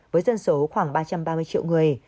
với dân số khoảng ba trăm ba mươi triệu người